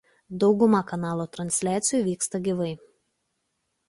Dauguma kanalo transliacijų vyksta gyvai.